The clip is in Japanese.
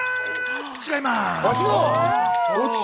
違います。